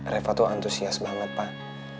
reva tuh antusias banget pak